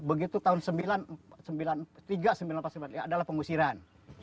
begitu tahun seribu sembilan ratus tiga seribu sembilan ratus sembilan puluh tiga adalah pengusiran